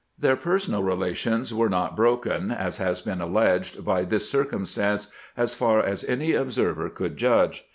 Their personal relations were not broken, as has been alleged, by this circumstance, as far as an observer could judge.